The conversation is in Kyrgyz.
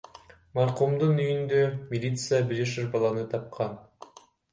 Маркумдун үйүндө милиция бир жашар баланы тапкан.